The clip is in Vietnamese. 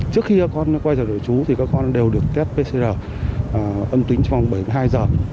trước khi con quay vào đội chú thì các con đều được tết pcr âm tính trong bảy mươi hai giờ